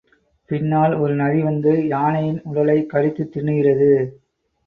பின்னால் ஒரு நரி வந்து யானையின் உடலைக் கடித்துத் தின்னுகிறது.